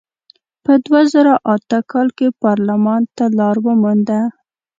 په دوه زره اته کال کې پارلمان ته لار ومونده.